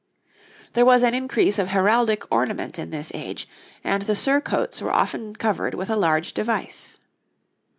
There was an increase of heraldic ornament in this age, and the surcoats were often covered with a large device.